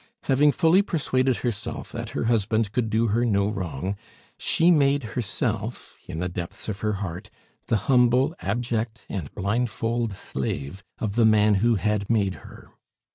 Having fully persuaded herself that her husband could do her no wrong, she made herself in the depths of her heart the humble, abject, and blindfold slave of the man who had made her.